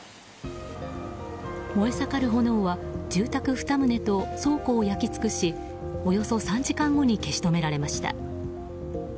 燃え盛る炎は、住宅２棟と倉庫を焼き尽くしおよそ３時間後に消し止められました。